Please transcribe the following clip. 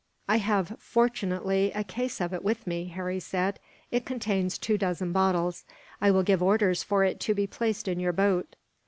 "I have, fortunately, a case of it with me," Harry said. "It contains two dozen bottles. I will give orders for it to be placed in your boat."